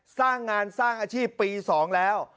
สร้างงานสร้างอาชีพปี๒แล้ว